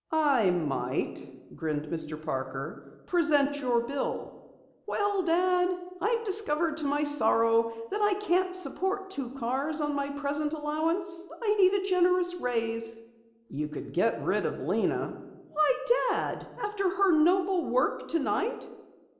"I might," grinned Mr. Parker. "Present your bill." "Well, Dad, I've discovered to my sorrow that I can't support two cars on my present allowance. I need a generous raise." "You could get rid of Lena." "Why, Dad! After her noble work tonight!"